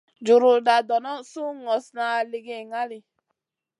Juruda dono suh slokŋa ligi ŋali.